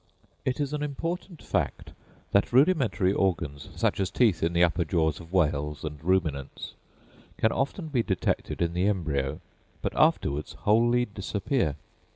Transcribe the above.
It is an important fact that rudimentary organs, such as teeth in the upper jaws of whales and ruminants, can often be detected in the embryo, but afterwards wholly disappear.